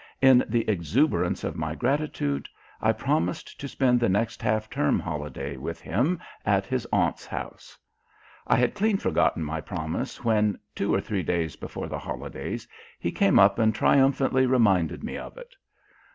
In the exuberance of my gratitude I promised to spend the next half term holiday with him at his aunt's house. I had clean forgotten my promise when, two or three days before the holiday, he came up and triumphantly reminded me of it.